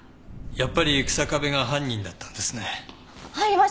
やっぱり日下部が犯人だったんですね。